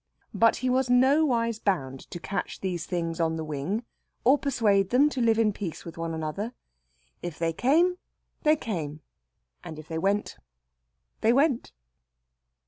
But he was nowise bound to catch these things on the wing, or persuade them to live in peace with one another. If they came, they came; and if they went, they went.